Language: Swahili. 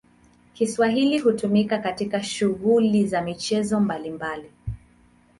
Kiswahili hutumika katika shughuli za michezo mbalimbali.